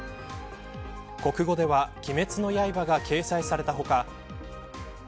国語では鬼滅の刃が掲載された他